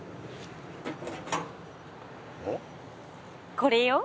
これよ。